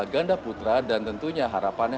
ganda putra dan tentunya harapannya